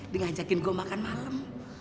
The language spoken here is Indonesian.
dengar ajakin gue makan malam